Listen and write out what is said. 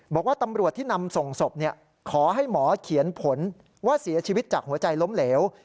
บอกว่าตำรวจที่นำส่งศพขอให้หมอเขียนผลว่าเสียชีวิตจากหัวใจล้มเหลว